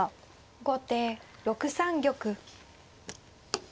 後手６三玉。